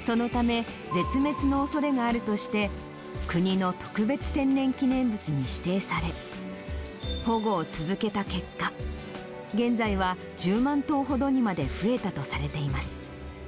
そのため、絶滅のおそれがあるとして、国の特別天然記念物に指定され、保護を続けた結果、現在は１０万頭ほどにまで増えたとされています。